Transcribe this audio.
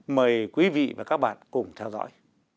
mời quý vị và các bạn cùng theo dõi